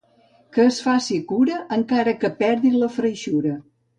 Que es faci cura, encara que perdi la freixura.